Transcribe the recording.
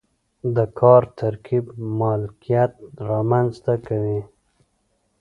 د کار ترکیب مالکیت رامنځته کوي.